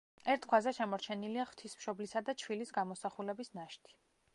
ერთ ქვაზე შემორჩენილია ღვთისმშობლისა და ჩვილის გამოსახულების ნაშთი.